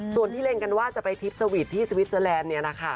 ส่วนที่เล็งกันว่าจะไปทริปสวีทที่สวิสเตอร์แลนด์เนี่ยนะคะ